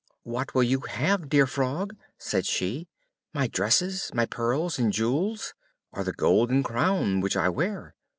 "What will you have, dear Frog?" said she. "My dresses, my pearls and jewels, or the golden crown which I wear?"